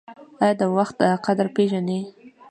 ایا د وخت قدر پیژنئ؟